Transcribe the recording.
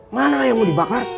mana yang mau dibakar